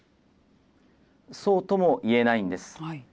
そうともいえないんです。